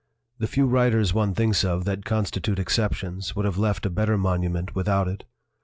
The few writers one thinks of that constitute exceptions would have left a better monument without it.